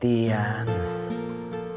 tidak ada salah pengertian